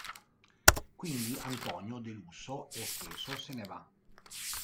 Quindi Antonio, deluso e offeso, se ne va.